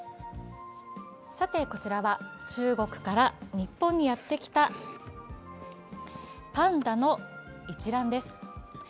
さて、こちらは中国から日本にやってきたパンダの一覧です。